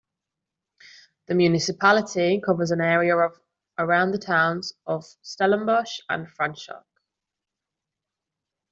The municipality covers an area of around the towns of Stellenbosch and Franschhoek.